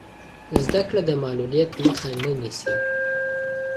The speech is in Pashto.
زده کړه د معلولیت مخه نه نیسي.